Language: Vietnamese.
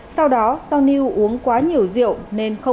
sau đó sau niu uống quá nhiều rượu nên không uống nữa và đi vào khuôn